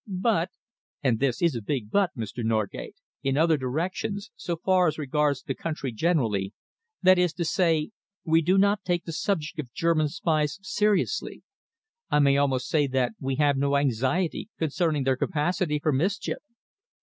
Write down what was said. But and this is a big 'but', Mr. Norgate in other directions so far as regards the country generally, that is to say we do not take the subject of German spies seriously. I may almost say that we have no anxiety concerning their capacity for mischief."